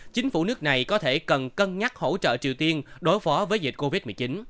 chính phủ nước này có thể cần cân nhắc hỗ trợ triều tiên đối phó với dịch covid một mươi chín